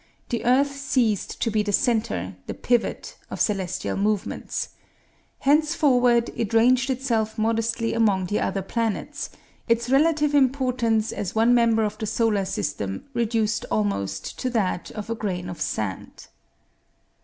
The earth ceased to be the centre, the pivot, of celestial movements. Henceforward it ranged itself modestly among the other planets, its relative importance as one member of the solar system reduced almost to that of a grain of sand.